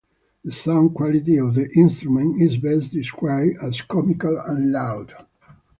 The sound quality of the instrument is best described as comical and loud.